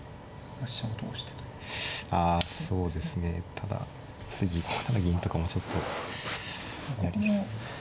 ただ次銀とかもちょっとやり過ぎ。